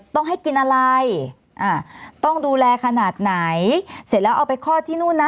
ต้องให้กินอะไรอ่าต้องดูแลขนาดไหนเสร็จแล้วเอาไปคลอดที่นู่นนะ